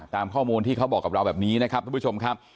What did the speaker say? ตามข้อมูลที่เขาบอกกับเราแบบนี้นะครับทุกผู้ชมครับ